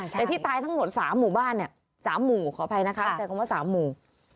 แต่ที่ตายทั้งหมด๓หมู่บ้านเนี่ย๓หมู่ขออภัยนะคะใช้คำว่า๓หมู่